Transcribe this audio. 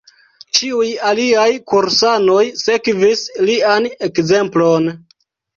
Ĉiuj aliaj kursanoj sekvis lian ekzemplon.